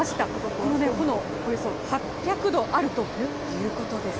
このね、炎、およそ８００度あるということです。